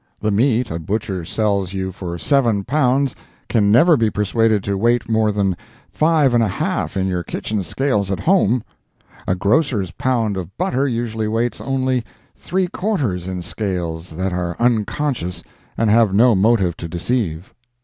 The meat a butcher sells you for seven pounds can never be persuaded to weigh more than five and a half in your kitchen scales at home; a grocer's pound of butter usually weights only three quarters in scales that are unconscious and have no motive to deceive.